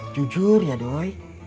jujur ya doi